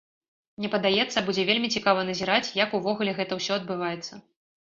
Мне падаецца, будзе вельмі цікава назіраць, як увогуле гэта ўсё адбываецца.